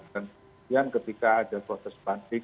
dan kemudian ketika ada proses banding